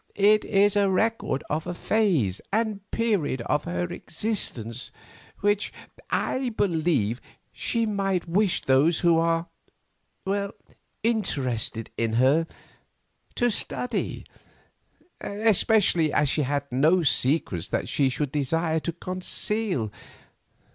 It is a record of a phase and period of her existence which, I believe, she might wish those who are—interested in her—to study, especially as she had no secrets that she could desire to conceal.